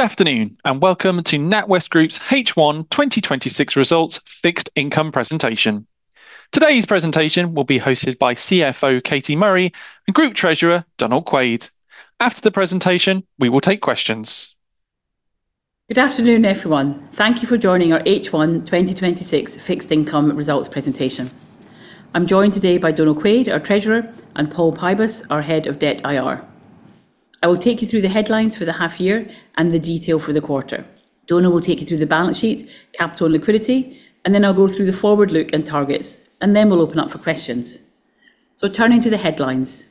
Good afternoon and welcome to NatWest Group's H1 2026 Results Fixed Income Presentation. Today's presentation will be hosted by CFO, Katie Murray, and Group Treasurer, Donal Quaid. After the presentation, we will take questions. Good afternoon, everyone. Thank you for joining our H1 2026 Fixed Income Results Presentation. I'm joined today by Donal Quaid, our Treasurer, and Paul Pybus, our Head of Debt IR. I will take you through the headlines for the half year and the detail for the quarter. Donal will take you through the balance sheet, capital and liquidity. I'll go through the forward look and targets. We'll open up for questions. Turning to the headlines.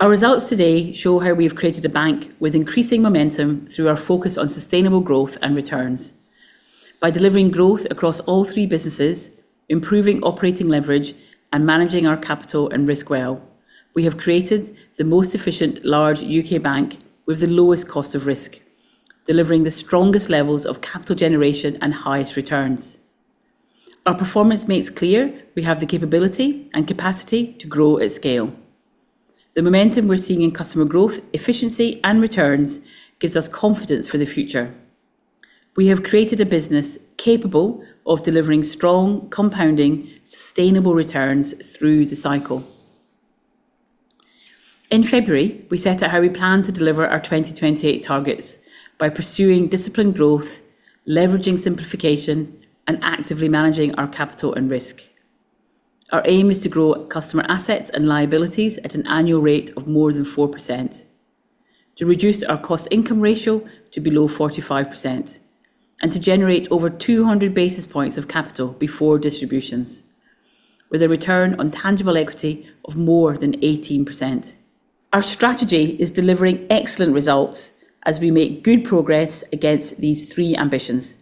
Our results today show how we have created a bank with increasing momentum through our focus on sustainable growth and returns. By delivering growth across all three businesses, improving operating leverage, and managing our capital and risk well, we have created the most efficient large U.K. bank with the lowest cost of risk, delivering the strongest levels of capital generation and highest returns. Our performance makes clear we have the capability and capacity to grow at scale. The momentum we're seeing in customer growth, efficiency, and returns gives us confidence for the future. We have created a business capable of delivering strong, compounding, sustainable returns through the cycle. In February, we set out how we plan to deliver our 2028 targets by pursuing disciplined growth, leveraging simplification, and actively managing our capital and risk. Our aim is to grow customer assets and liabilities at an annual rate of more than 4%, to reduce our cost-income ratio to below 45%, and to generate over 200 basis points of capital before distributions, with a return on tangible equity of more than 18%. Our strategy is delivering excellent results as we make good progress against these three ambitions.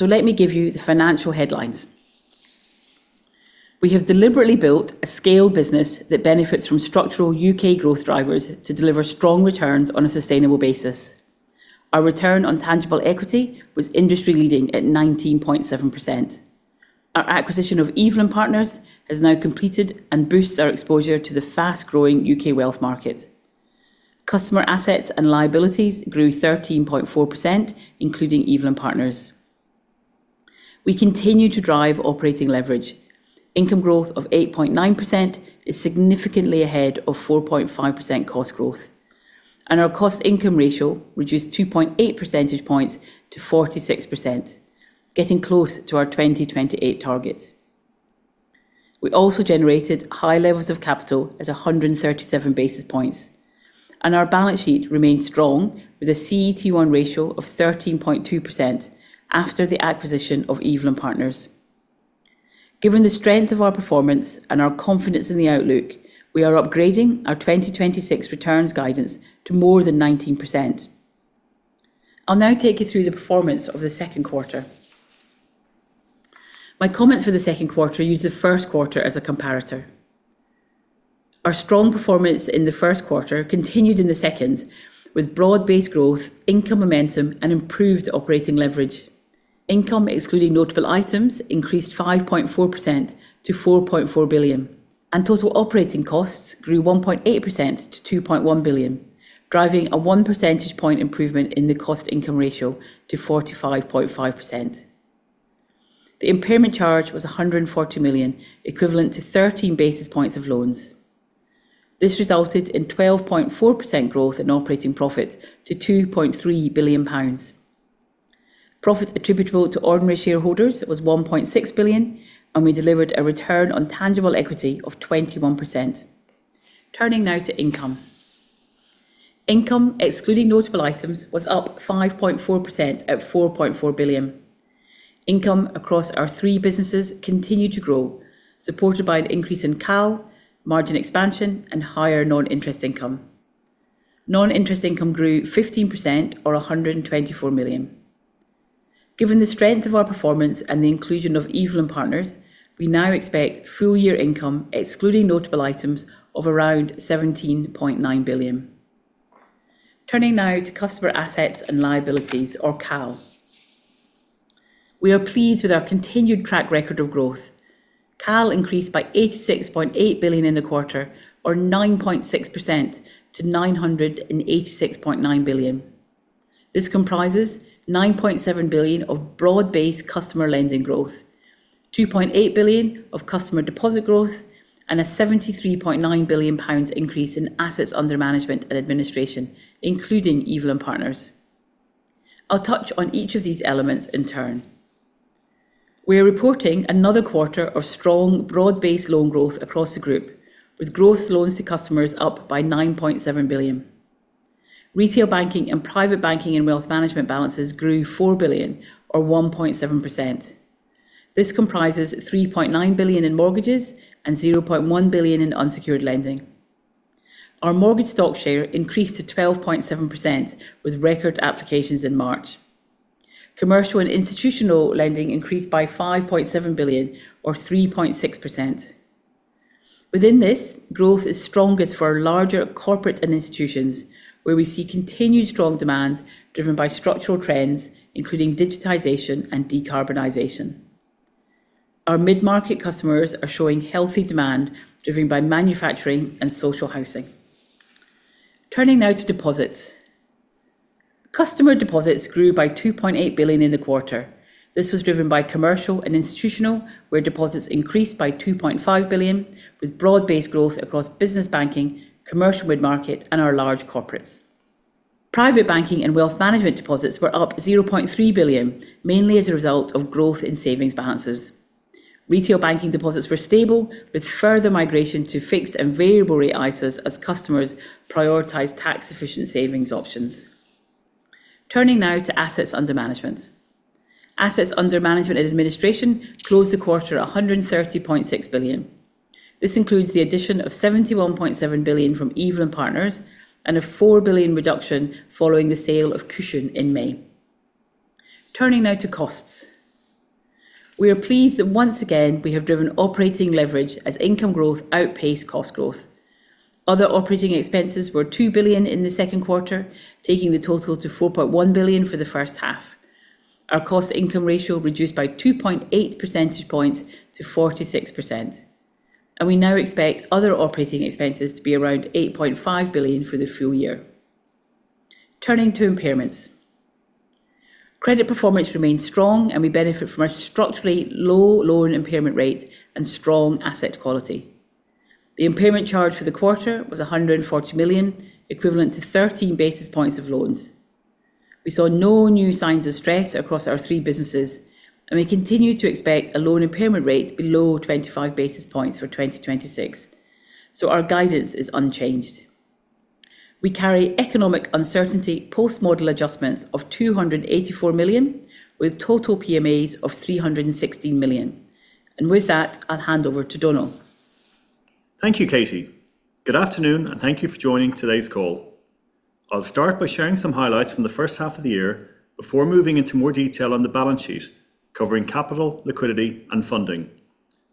Let me give you the financial headlines. We have deliberately built a scale business that benefits from structural U.K. growth drivers to deliver strong returns on a sustainable basis. Our return on tangible equity was industry-leading at 19.7%. Our acquisition of Evelyn Partners has now completed and boosts our exposure to the fast-growing U.K. wealth market. Customer assets and liabilities grew 13.4%, including Evelyn Partners. We continue to drive operating leverage. Income growth of 8.9% is significantly ahead of 4.5% cost growth. Our cost-income ratio reduced 2.8 percentage points to 46%, getting close to our 2028 target. We also generated high levels of capital at 137 basis points, and our balance sheet remains strong with a CET1 ratio of 13.2% after the acquisition of Evelyn Partners. Given the strength of our performance and our confidence in the outlook, we are upgrading our 2026 returns guidance to more than 19%. I'll now take you through the performance of the second quarter. My comments for the second quarter use the first quarter as a comparator. Our strong performance in the first quarter continued in the second, with broad-based growth, income momentum, and improved operating leverage. Income, excluding notable items, increased 5.4% to 4.4 billion, and total operating costs grew 1.8% to 2.1 billion, driving a one percentage point improvement in the cost-income ratio to 45.5%. The impairment charge was 140 million, equivalent to 13 basis points of loans. This resulted in 12.4% growth in operating profit to 2.3 billion pounds. Profit attributable to ordinary shareholders was 1.6 billion, and we delivered a return on tangible equity of 21%. Turning now to income. Income, excluding notable items, was up 5.4% at 4.4 billion. Income across our three businesses continued to grow, supported by an increase in CAL, margin expansion, and higher non-interest income. Non-interest income grew 15%, or 124 million. Given the strength of our performance and the inclusion of Evelyn Partners, we now expect full-year income, excluding notable items, of around 17.9 billion. Turning now to customer assets and liabilities or CAL. We are pleased with our continued track record of growth. CAL increased by 86.8 billion in the quarter or 9.6% to 986.9 billion. This comprises 9.7 billion of broad-based customer lending growth, 2.8 billion of customer deposit growth, and a 73.9 billion pounds increase in AUMA, including Evelyn Partners. I'll touch on each of these elements in turn. We are reporting another quarter of strong broad-based loan growth across the group, with growth loans to customers up by 9.7 billion. Retail Banking and Private Banking and Wealth Management balances grew 4 billion or 1.7%. This comprises 3.9 billion in mortgages and 0.1 billion in unsecured lending. Our mortgage stock share increased to 12.7% with record applications in March. Commercial and Institutional lending increased by 5.7 billion or 3.6%. Within this, growth is strongest for our larger corporate and institutions, where we see continued strong demand driven by structural trends, including digitization and decarbonization. Our mid-market customers are showing healthy demand driven by manufacturing and social housing. Turning now to deposits. Customer deposits grew by 2.8 billion in the quarter. This was driven by Commercial and Institutional, where deposits increased by 2.5 billion, with broad-based growth across business banking, commercial mid-market, and our large corporates. Private Banking and Wealth Management deposits were up 0.3 billion, mainly as a result of growth in savings balances. Retail Banking deposits were stable, with further migration to fixed and variable rate ISAs as customers prioritized tax-efficient savings options. Turning now to Assets under Management. Assets under Management Administration closed the quarter at 130.6 billion. This includes the addition of 71.7 billion from Evelyn Partners and a 4 billion reduction following the sale of Cushon in May. Turning now to costs. We are pleased that once again, we have driven operating leverage as income growth outpaced cost growth. Other operating expenses were 2 billion in the second quarter, taking the total to 4.1 billion for the first half. Our cost-income ratio reduced by 2.8 percentage points to 46%, and we now expect other operating expenses to be around 8.5 billion for the full year. Turning to impairments. Credit performance remains strong, and we benefit from our structurally low loan impairment rate and strong asset quality. The impairment charge for the quarter was 140 million, equivalent to 13 basis points of loans. We saw no new signs of stress across our three businesses. We continue to expect a loan impairment rate below 25 basis points for 2026. Our guidance is unchanged. We carry economic uncertainty post-model adjustments of 284 million, with total PMAs of 316 million. With that, I'll hand over to Donal. Thank you, Katie. Good afternoon. Thank you for joining today's call. I'll start by sharing some highlights from the first half of the year before moving into more detail on the balance sheet, covering capital, liquidity, and funding.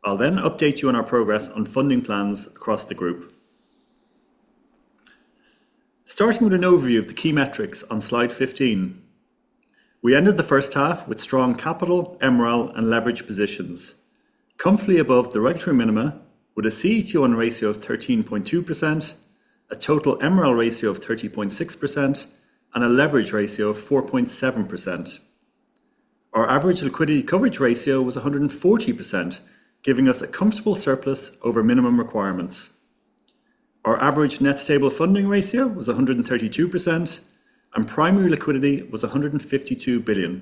I'll update you on our progress on funding plans across the group. Starting with an overview of the key metrics on slide 15. We ended the first half with strong capital, MREL, and leverage positions, comfortably above the regulatory minima with a CET1 ratio of 13.2%, a total MREL ratio of 30.6%, and a leverage ratio of 4.7%. Our average liquidity coverage ratio was 140%, giving us a comfortable surplus over minimum requirements. Our average net stable funding ratio was 132%, and primary liquidity was 152 billion.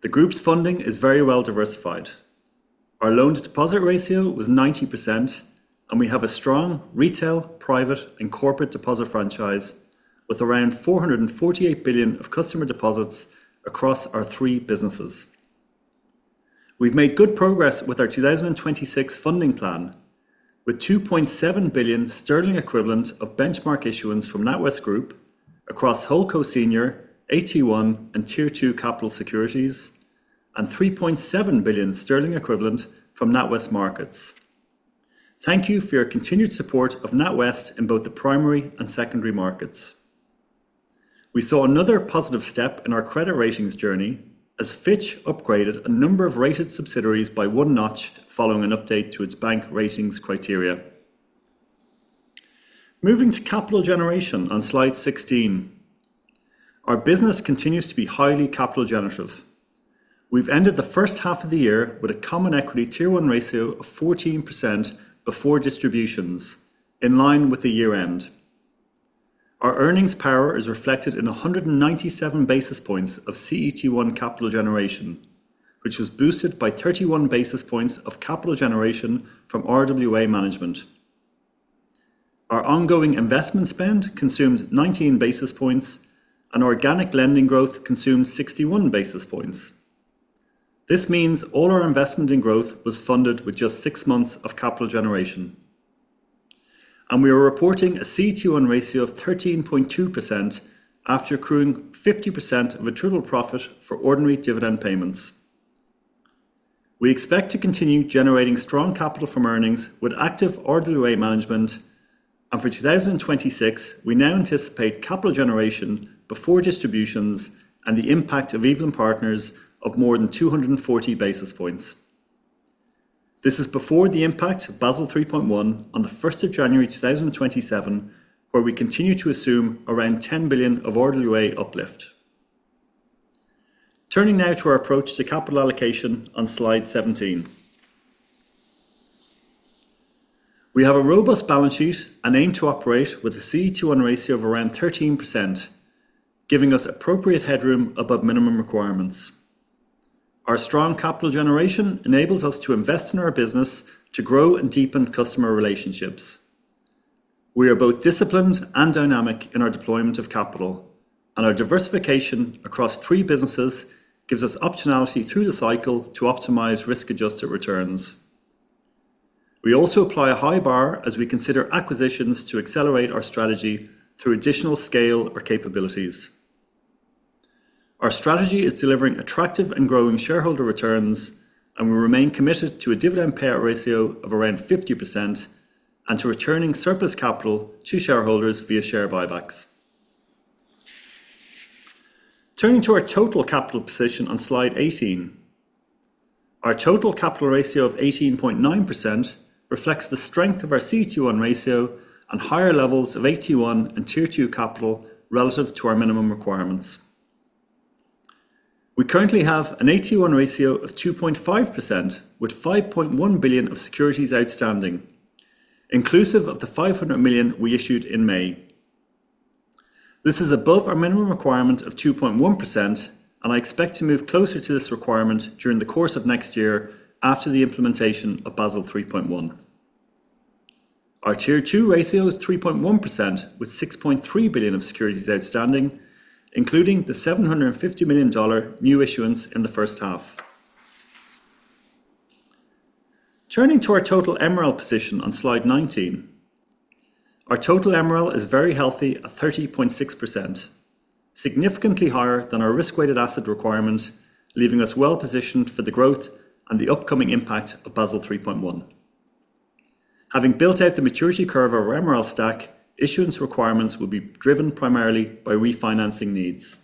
The group's funding is very well diversified. Our loan-to-deposit ratio was 90%. We have a strong retail, private, and corporate deposit franchise with around 448 billion of customer deposits across our three businesses. We've made good progress with our 2026 funding plan, with 2.7 billion sterling equivalent of benchmark issuance from NatWest Group across HoldCo Senior, AT1, and Tier 2 capital securities. 3.7 billion sterling equivalent from NatWest Markets. Thank you for your continued support of NatWest in both the primary and secondary markets. We saw another positive step in our credit ratings journey as Fitch upgraded a number of rated subsidiaries by one notch following an update to its bank ratings criteria. Moving to capital generation on slide 16. Our business continues to be highly capital generative. We've ended the first half of the year with a common equity Tier 1 ratio of 14% before distributions, in line with the year-end. Our earnings power is reflected in 197 basis points of CET1 capital generation, which was boosted by 31 basis points of capital generation from RWA management. Our ongoing investment spend consumed 19 basis points. Organic lending growth consumed 61 basis points. This means all our investment and growth was funded with just six months of capital generation. We are reporting a CET1 ratio of 13.2% after accruing 50% of attributable profit for ordinary dividend payments. We expect to continue generating strong capital from earnings with active RWA management. For 2026, we now anticipate capital generation before distributions and the impact of Evelyn Partners of more than 240 basis points. This is before the impact of Basel 3.1 on the 1st of January 2027, where we continue to assume around 10 billion of RWA uplift. Turning now to our approach to capital allocation on slide 17. We have a robust balance sheet and aim to operate with a CET1 ratio of around 13%, giving us appropriate headroom above minimum requirements. Our strong capital generation enables us to invest in our business to grow and deepen customer relationships. We are both disciplined and dynamic in our deployment of capital, and our diversification across three businesses gives us optionality through the cycle to optimize risk-adjusted returns. We also apply a high bar as we consider acquisitions to accelerate our strategy through additional scale or capabilities. Our strategy is delivering attractive and growing shareholder returns, and we remain committed to a dividend payout ratio of around 50% and to returning surplus capital to shareholders via share buybacks. Turning to our total capital position on slide 18. Our total capital ratio of 18.9% reflects the strength of our CET1 ratio and higher levels of AT1 and Tier 2 capital relative to our minimum requirements. We currently have an AT1 ratio of 2.5%, with 5.1 billion of securities outstanding, inclusive of the 500 million we issued in May. This is above our minimum requirement of 2.1%, and I expect to move closer to this requirement during the course of next year after the implementation of Basel 3.1. Our Tier 2 ratio is 3.1%, with 6.3 billion of securities outstanding, including the $750 million new issuance in the first half. Turning to our total MREL position on Slide 19. Our total MREL is very healthy at 30.6%, significantly higher than our risk-weighted asset requirement, leaving us well-positioned for the growth and the upcoming impact of Basel 3.1. Having built out the maturity curve of our MREL stack, issuance requirements will be driven primarily by refinancing needs.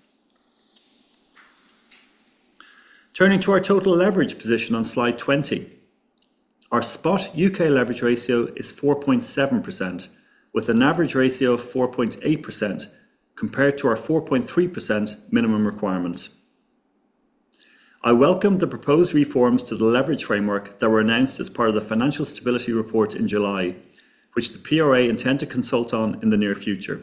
Turning to our total leverage position on Slide 20. Our spot U.K. leverage ratio is 4.7%, with an average ratio of 4.8%, compared to our 4.3% minimum requirement. I welcome the proposed reforms to the leverage framework that were announced as part of the Financial Stability Report in July, which the PRA intend to consult on in the near future.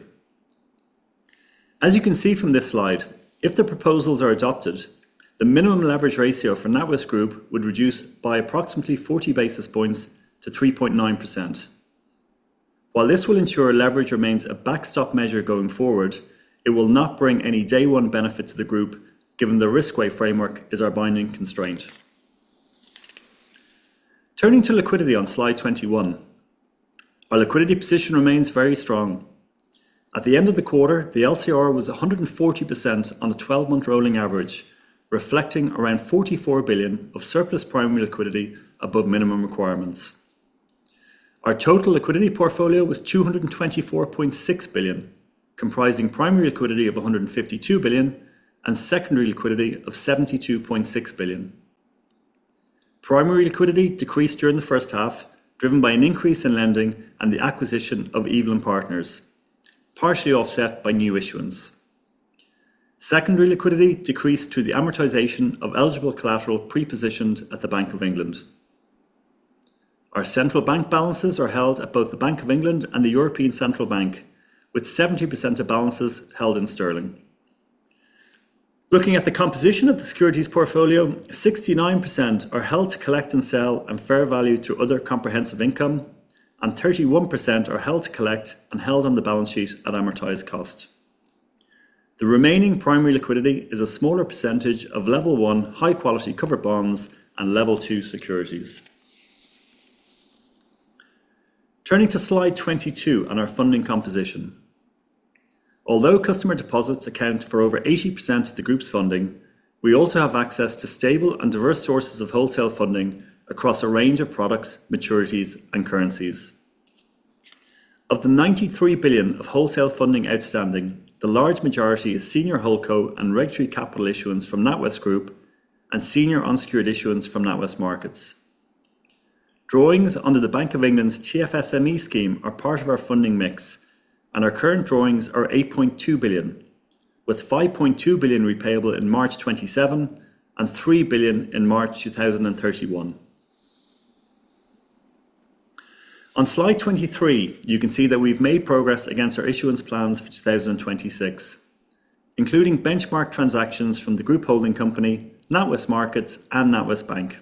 As you can see from this slide, if the proposals are adopted, the minimum leverage ratio for NatWest Group would reduce by approximately 40 basis points to 3.9%. While this will ensure leverage remains a backstop measure going forward, it will not bring any day one benefit to the group, given the risk weight framework is our binding constraint. Turning to liquidity on Slide 21. Our liquidity position remains very strong. At the end of the quarter, the LCR was 140% on a 12-month rolling average, reflecting around 44 billion of surplus primary liquidity above minimum requirements. Our total liquidity portfolio was 224.6 billion, comprising primary liquidity of 152 billion and secondary liquidity of 72.6 billion. Primary liquidity decreased during the first half, driven by an increase in lending and the acquisition of Evelyn Partners, partially offset by new issuance. Secondary liquidity decreased through the amortization of eligible collateral pre-positioned at the Bank of England. Our central bank balances are held at both the Bank of England and the European Central Bank, with 70% of balances held in sterling. Looking at the composition of the securities portfolio, 69% are held to collect and sell and fair value through other comprehensive income, and 31% are held to collect and held on the balance sheet at amortized cost. The remaining primary liquidity is a smaller percentage of Level 1 high-quality covered bonds and Level 2 securities. Turning to Slide 22 on our funding composition. Although customer deposits account for over 80% of the group's funding, we also have access to stable and diverse sources of wholesale funding across a range of products, maturities, and currencies. Of the 93 billion of wholesale funding outstanding, the large majority is Senior HoldCo and regulatory capital issuance from NatWest Group and senior unsecured issuance from NatWest Markets. Drawings under the Bank of England's TFSME scheme are part of our funding mix, and our current drawings are 8.2 billion, with 5.2 billion repayable in March 2027 and 3 billion in March 2031. On Slide 23, you can see that we've made progress against our issuance plans for 2026, including benchmark transactions from the group holding company, NatWest Markets and NatWest Bank.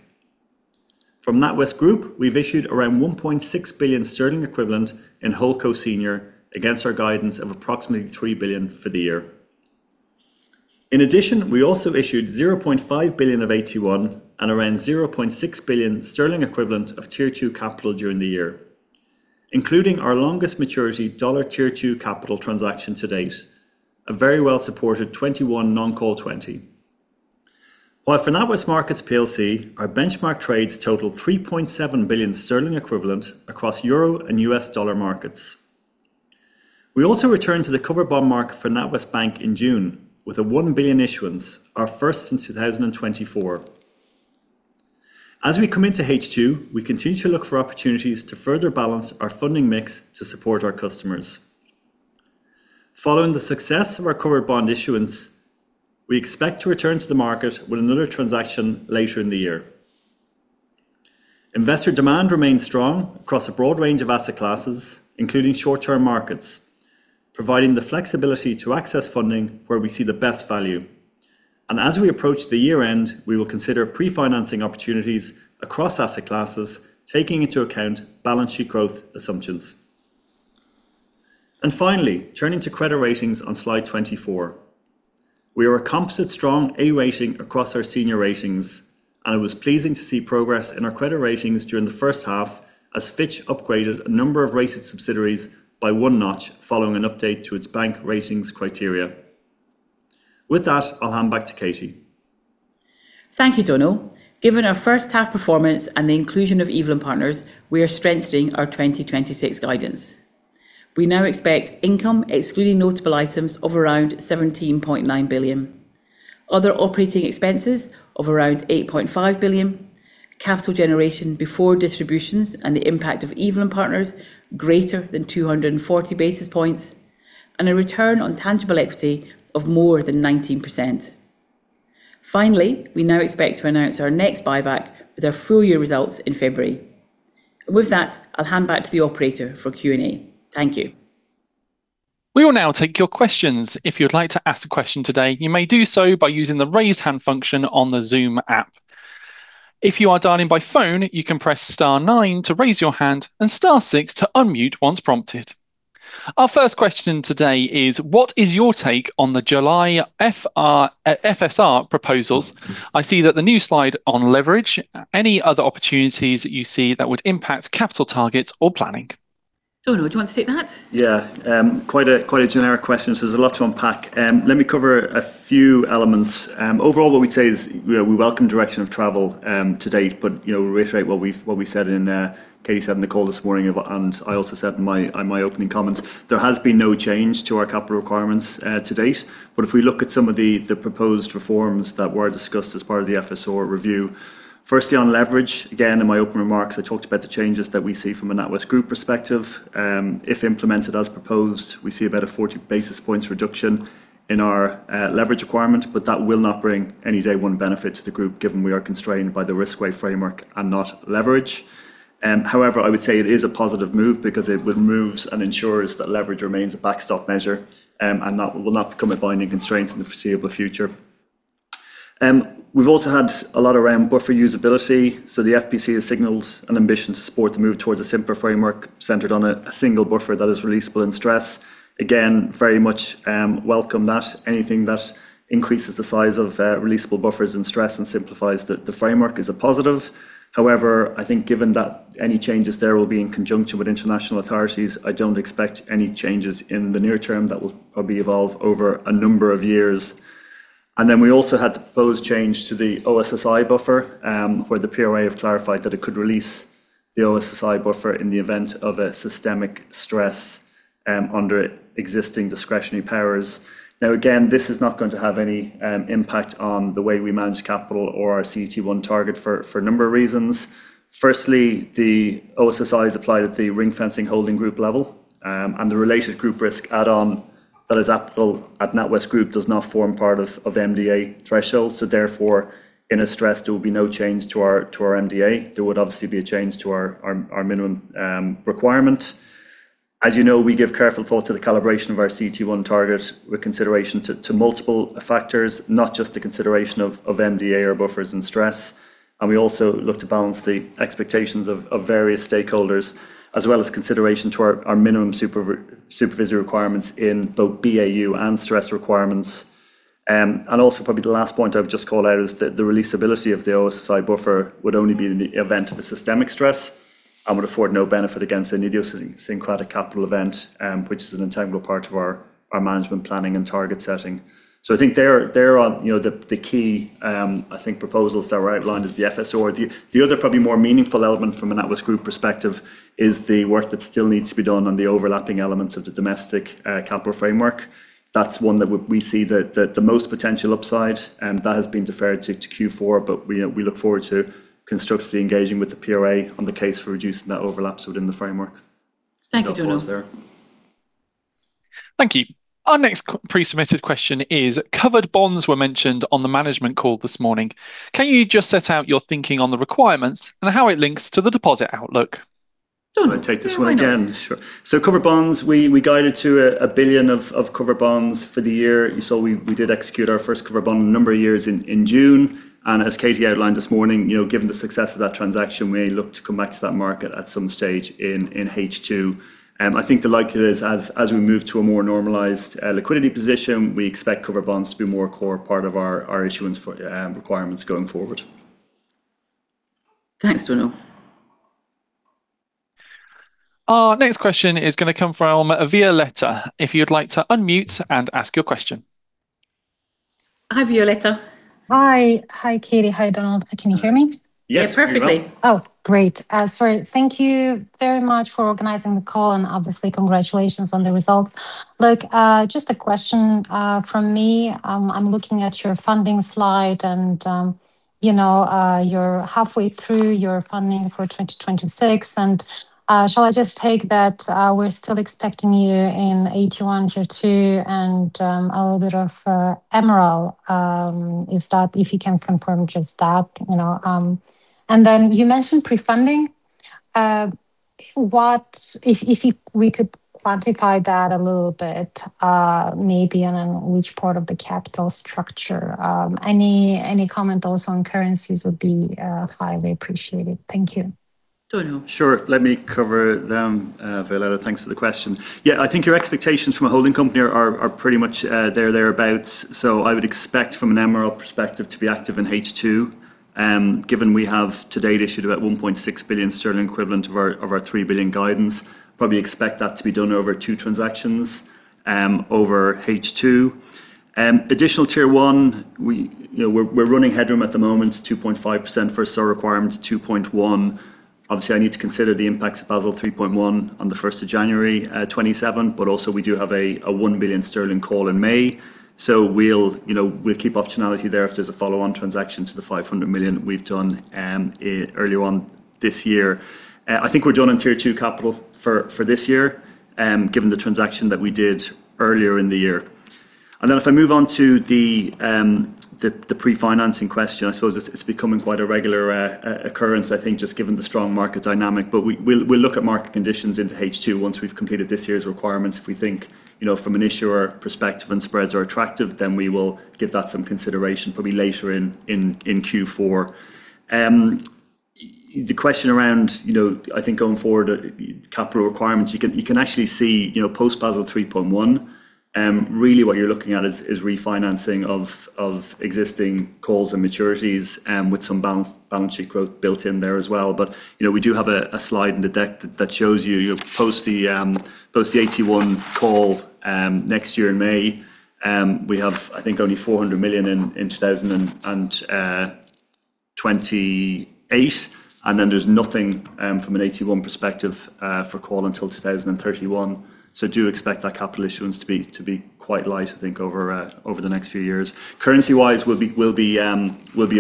From NatWest Group, we've issued around 1.6 billion sterling equivalent in HoldCo Senior against our guidance of approximately 3 billion for the year. In addition, we also issued 0.5 billion of AT1 and around 0.6 billion sterling equivalent of Tier 2 capital during the year, including our longest maturity dollar Tier 2 capital transaction to date, a very well-supported 2021 non-call 2020. For NatWest Markets Plc, our benchmark trades total 3.7 billion sterling equivalent across euro and U.S. dollar markets. We also returned to the cover bond market for NatWest Bank in June with a 1 billion issuance, our first since 2024. As we come into H2, we continue to look for opportunities to further balance our funding mix to support our customers. Following the success of our cover bond issuance, we expect to return to the market with another transaction later in the year. Investor demand remains strong across a broad range of asset classes, including short-term markets, providing the flexibility to access funding where we see the best value. As we approach the year-end, we will consider pre-financing opportunities across asset classes, taking into account balance sheet growth assumptions. Finally, turning to credit ratings on Slide 24. We are a composite strong A rating across our senior ratings, and it was pleasing to see progress in our credit ratings during the first half as Fitch upgraded a number of rated subsidiaries by one notch following an update to its bank ratings criteria. With that, I'll hand back to Katie. Thank you, Donal. Given our first half performance and the inclusion of Evelyn Partners, we are strengthening our 2026 guidance. We now expect income excluding notable items of around 17.9 billion. Other operating expenses of around 8.5 billion. Capital generation before distributions and the impact of Evelyn Partners, greater than 240 basis points, and a return on tangible equity of more than 19%. Finally, we now expect to announce our next buyback with our full year results in February. With that, I'll hand back to the operator for Q&A. Thank you. We will now take your questions. If you'd like to ask a question today, you may do so by using the raise hand function on the Zoom app. If you are dialing by phone, you can press star nine to raise your hand and star six to unmute once prompted. Our first question today is, what is your take on the July FSR proposals? I see that the new slide on leverage. Any other opportunities that you see that would impact capital targets or planning? Donal, do you want to take that? Yeah. Quite a generic question, there's a lot to unpack. Let me cover a few elements. Overall, what we'd say is we welcome direction of travel to date, we reiterate what we said, and Katie said in the call this morning, and I also said in my opening comments, there has been no change to our capital requirements to date. If we look at some of the proposed reforms that were discussed as part of the FSR review. Firstly, on leverage, again, in my opening remarks, I talked about the changes that we see from a NatWest Group perspective. If implemented as proposed, we see about a 40 basis points reduction in our leverage requirement, that will not bring any day one benefit to the group given we are constrained by the risk weight framework and not leverage. I would say it is a positive move because it removes and ensures that leverage remains a backstop measure, that will not become a binding constraint in the foreseeable future. We've also had a lot around buffer usability. The FPC has signaled an ambition to support the move towards a simpler framework centered on a single buffer that is releasable in stress. Again, very much welcome that. Anything that increases the size of releasable buffers in stress and simplifies the framework is a positive. I think given that any changes there will be in conjunction with international authorities, I don't expect any changes in the near term. That will probably evolve over a number of years. We also had the proposed change to the O-SII buffer, where the PRA have clarified that it could release the O-SII buffer in the event of a systemic stress, under existing discretionary powers. Now, again, this is not going to have any impact on the way we manage capital or our CET1 target for a number of reasons. Firstly, the O-SII apply to the ring-fencing holding group level, and the related group risk add-on that is applicable at NatWest Group does not form part of MDA threshold. In a stress, there will be no change to our MDA. There would obviously be a change to our minimum requirement. As you know, we give careful thought to the calibration of our CET1 target with consideration to multiple factors, not just the consideration of MDA or buffers in stress. We also look to balance the expectations of various stakeholders, as well as consideration to our minimum supervisory requirements in both BAU and stress requirements. Also, probably the last point I would just call out is that the releasability of the O-SII buffer would only be in the event of a systemic stress and would afford no benefit against an idiosyncratic capital event, which is an integral part of our management planning and target setting. I think there are the key, I think, proposals that were outlined at the FSR. The other probably more meaningful element from a NatWest Group perspective is the work that still needs to be done on the overlapping elements of the domestic capital framework. That's one that we see the most potential upside, and that has been deferred to Q4. We look forward to constructively engaging with the PRA on the case for reducing that overlap within the framework. Thank you, Donal. That concludes there. Thank you. Our next pre-submitted question is, covered bonds were mentioned on the management call this morning. Can you just set out your thinking on the requirements and how it links to the deposit outlook? Donal. Can I take this one again? Yeah, why not? Covered bonds, we guided to 1 billion of covered bonds for the year. You saw we did execute our first covered bond in a number of years in June. As Katie outlined this morning, given the success of that transaction, we look to come back to that market at some stage in H2. The likelihood is, as we move to a more normalized liquidity position, we expect covered bonds to be a more core part of our issuance requirements going forward. Thanks, Donal. Our next question is going to come from Violeta. If you'd like to unmute and ask your question. Hi, Violeta. Hi. Hi, Katie. Hi, Donal. Can you hear me? Yes, we can. Yeah, perfectly. Great. Sorry. Thank you very much for organizing the call, obviously, congratulations on the results. Look, just a question from me. I'm looking at your funding slide, you're halfway through your funding for 2026. Shall I just take that we're still expecting you in AT1, Tier 2, and a little bit of MREL is that, if you can confirm just that. Then you mentioned pre-funding. If we could quantify that a little bit, maybe on which part of the capital structure. Any comment also on currencies would be highly appreciated. Thank you. Donal. Sure. Let me cover them, Violeta. Thanks for the question. Yeah, I think your expectations from a holding company are pretty much there, thereabout. I would expect from an MREL perspective to be active in H2. Given we have to date issued about 1.6 billion sterling equivalent of our 3 billion guidance, probably expect that to be done over two transactions over H2. Additional Tier 1, we're running headroom at the moment, 2.5% for our requirement, 2.1%. Obviously, I need to consider the impacts of Basel 3.1 on the 1st of January 2027, but also we do have a 1 billion sterling call in May. We'll keep optionality there if there's a follow-on transaction to the 500 million we've done earlier on this year. I think we're done on Tier 2 capital for this year, given the transaction that we did earlier in the year. If I move on to the pre-financing question, I suppose it's becoming quite a regular occurrence, I think, just given the strong market dynamic. We'll look at market conditions into H2 once we've completed this year's requirements. If we think from an issuer perspective and spreads are attractive, then we will give that some consideration probably later in Q4. The question around, I think, going forward, capital requirements, you can actually see post-Basel 3.1, really what you're looking at is refinancing of existing calls and maturities, with some balance sheet growth built in there as well. We do have a slide in the deck that shows you post the AT1 call next year in May. We have, I think, only 400 million in 2028, and then there's nothing from an AT1 perspective for call until 2031. Do expect that capital issuance to be quite light, I think, over the next few years. Currency-wise, we'll be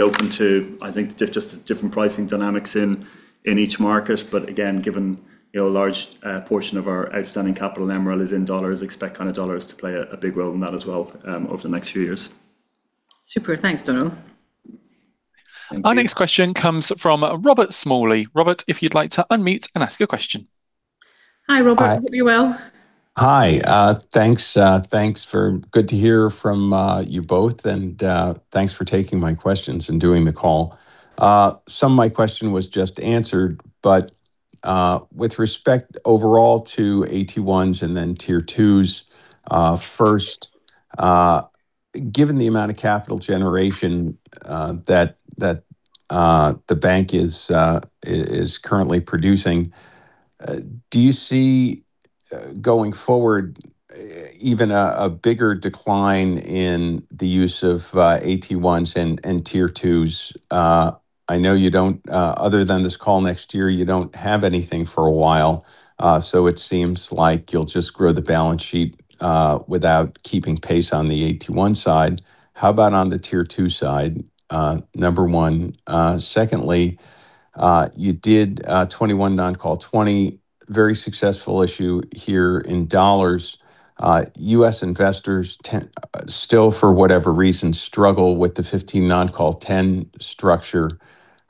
open to, I think, just different pricing dynamics in each market. Again, given a large portion of our outstanding capital in MREL is in dollars, expect dollars to play a big role in that as well over the next few years. Super. Thanks, Donal. Thank you. Our next question comes from Robert Smalley. Robert, if you'd like to unmute and ask your question. Hi, Robert. Hi. Hope you're well. Hi. Good to hear from you both, and thanks for taking my questions and doing the call. Some of my question was just answered, but with respect overall to AT1s and then Tier 2s, first, given the amount of capital generation that the bank is currently producing, do you see, going forward, even a bigger decline in the use of AT1s and Tier 2s? I know other than this call next year, you don't have anything for a while. It seems like you'll just grow the balance sheet without keeping pace on the AT1 side. How about on the Tier 2 side? Number one. Secondly, you did a 2021 non-call 2020 very successful issue here in dollars. U.S. investors still, for whatever reason, struggle with the 2015 non-call 2010 structure.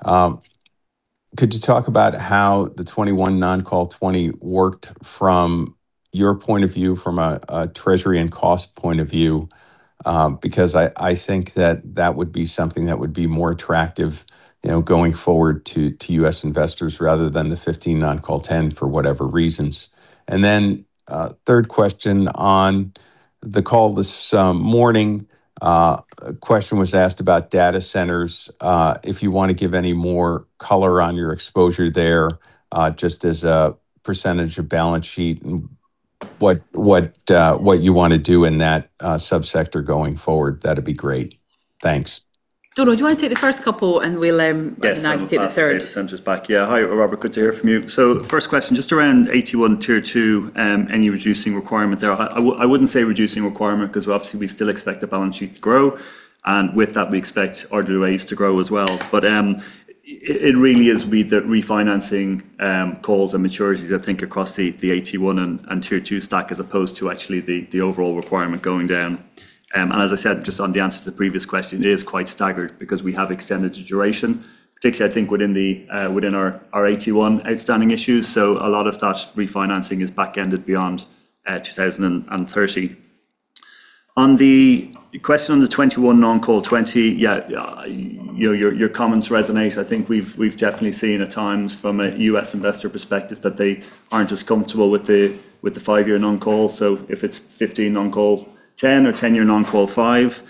Could you talk about how the 2021 non-call 2020 worked from your point of view, from a treasury and cost point of view? I think that that would be something that would be more attractive going forward to U.S. investors rather than the 2015 non-call 2010 for whatever reasons. Third question, on the call this morning, a question was asked about data centers. If you want to give any more color on your exposure there, just as a percentage of balance sheet and what you want to do in that subsector going forward, that'd be great. Thanks. Donal, do you want to take the first couple, and we'll. Yes. I can now take the third. I'm going to pass the data centers back. Yeah. Hi, Robert. Good to hear from you. First question, just around AT1, Tier 2, any reducing requirement there. I wouldn't say reducing requirement because obviously we still expect the balance sheet to grow, and with that we expect RWA to grow as well. But it really is with the refinancing calls and maturities, I think, across the AT1 and Tier 2 stack as opposed to actually the overall requirement going down. As I said, just on the answer to the previous question, it is quite staggered because we have extended the duration, particularly I think within our AT1 outstanding issues. A lot of that refinancing is back-ended beyond 2030. On the question on the 2021 non-call 2020, yeah, your comments resonate. I think we've definitely seen at times from a U.S. investor perspective that they aren't as comfortable with the five-year non-call. If it's 2015 non-call 2010 or 10-year non-call five.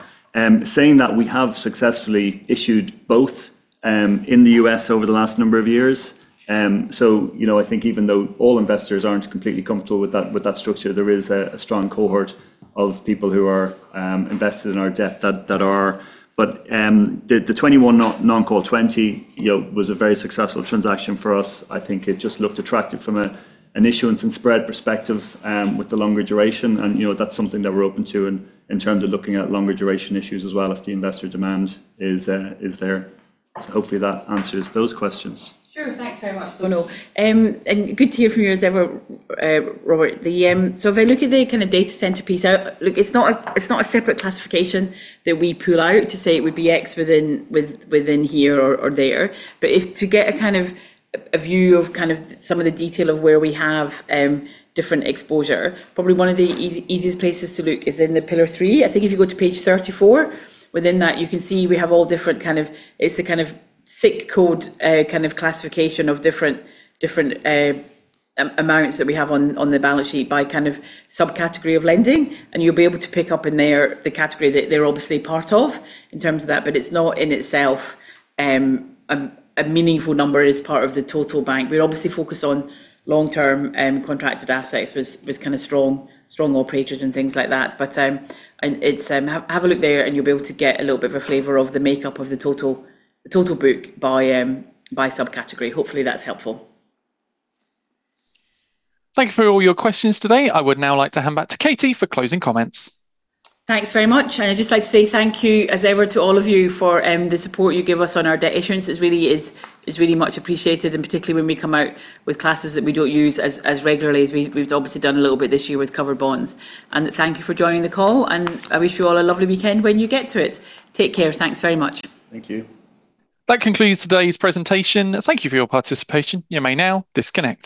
Saying that, we have successfully issued both in the U.S. over the last number of years. I think even though all investors aren't completely comfortable with that structure, there is a strong cohort of people who are invested in our debt that are. The 2021 non-call 2020 was a very successful transaction for us. I think it just looked attractive from an issuance and spread perspective with the longer duration, and that's something that we're open to in terms of looking at longer duration issues as well if the investor demand is there. Hopefully that answers those questions. Sure. Thanks very much, Donal. Good to hear from you as ever, Robert. If I look at the data center piece out, look, it's not a separate classification that we pull out to say it would be X within here or there. To get a view of some of the detail of where we have different exposure, probably one of the easiest places to look is in the Pillar 3. I think if you go to page 34, within that you can see we have all different, it's the SIC code classification of different amounts that we have on the balance sheet by subcategory of lending. You'll be able to pick up in there the category that they're obviously part of in terms of that, but it's not in itself a meaningful number as part of the total bank. We obviously focus on long-term contracted assets with strong operators and things like that. Have a look there and you'll be able to get a little bit of a flavor of the makeup of the total book by subcategory. Hopefully that's helpful. Thank you for all your questions today. I would now like to hand back to Katie for closing comments. Thanks very much. I'd just like to say thank you as ever to all of you for the support you give us on our debt issuance. It's really much appreciated, and particularly when we come out with classes that we don't use as regularly as we've obviously done a little bit this year with cover bonds. Thank you for joining the call, and I wish you all a lovely weekend when you get to it. Take care. Thanks very much. Thank you. That concludes today's presentation. Thank you for your participation. You may now disconnect.